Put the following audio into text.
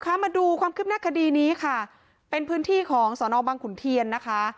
คุณผู้ชมค่ะมาดูความคิดขึ้นในคดีนี้ค่ะเป็นพื้นที่ของสนบังขุนเทียนนะคะ